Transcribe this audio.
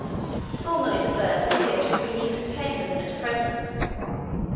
Formerly the birds appear to have been even tamer than at present.